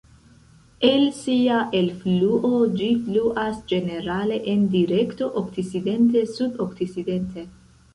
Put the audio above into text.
El sia elfluo, ĝi fluas ĝenerale en direkto okcidente-sudokcidente.